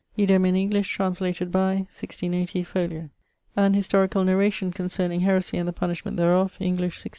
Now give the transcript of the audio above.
Idem, in English, translated by ...; 1680, folio. An historicall narration concerning heresie and the punishment thereof, English, 1680.